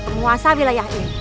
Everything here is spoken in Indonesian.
pemuasa wilayah ini